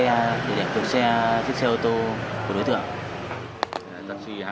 để chuộc xe chiếc xe ô tô